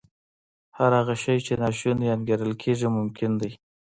هر هغه شی چې ناشونی انګېرل کېږي ممکن دی